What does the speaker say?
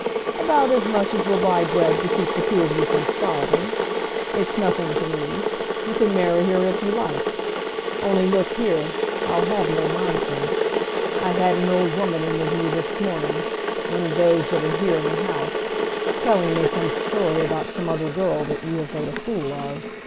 "About as much as will buy bread to keep the two of you from starving. It's nothing to me. You can marry her if you like; only, look here, I'll have no nonsense. I've had an old woman in with me this morning, one of those that are here in the house, telling me some story about some other girl that you have made a fool of.